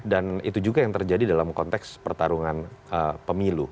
dan itu juga yang terjadi dalam konteks pertarungan pemilu